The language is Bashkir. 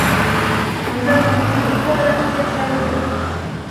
Шунда беҙ үҙебеҙ ҙә рәхәт йәшәрбеҙ.